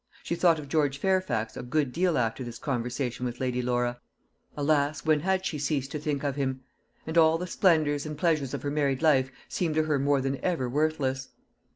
She thought of George Fairfax a good deal after this conversation with Lady Laura alas, when had she ceased to think of him! and all the splendours and pleasures of her married life seemed to her more than ever worthless.